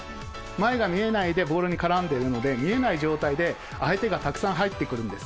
前が見えないでボールに絡んでいるので、見えない状態で、相手がたくさん入ってくるんです。